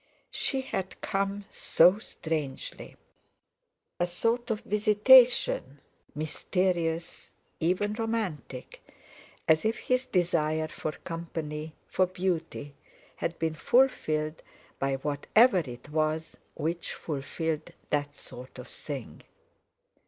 She had come so strangely—a sort of visitation; mysterious, even romantic, as if his desire for company, for beauty, had been fulfilled by whatever it was which fulfilled that sort of thing.